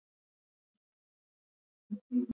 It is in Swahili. Kwani maneno yaliyonenwa ni yapi?